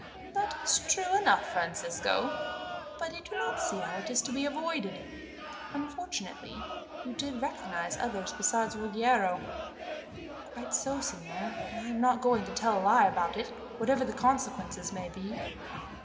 "That is true enough, Francisco, but I do not see how it is to be avoided. Unfortunately, you did recognize others besides Ruggiero." "Quite so, signor, and I am not going to tell a lie about it, whatever the consequences may be.